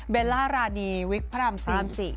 เบลล่ารานีวิคพระอำศิ